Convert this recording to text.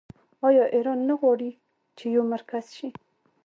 آیا ایران نه غواړي چې یو مرکز شي؟